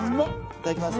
いただきます。